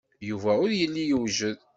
Yuba ur yelli yewjed.